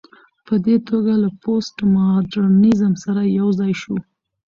په دې توګه له پوسټ ماډرنيزم سره يوځاى شو